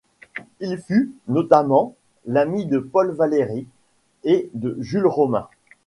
Il fut, notamment, l’ami de Paul Valéry et de Jules Romains.